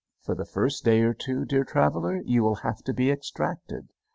For the first day or two, dear traveler, you will have to be extracted!